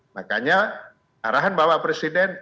makanya arahan bapak presiden